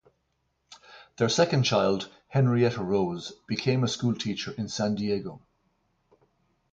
Their second child, Henrietta Rose became a school teacher in San Diego.